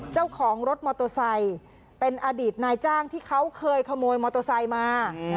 เจ้าของรถมอเตอร์ไซค์เป็นอดีตนายจ้างที่เขาเคยขโมยมอเตอร์ไซค์มา